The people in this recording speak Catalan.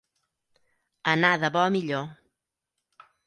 Anar de bo a millor.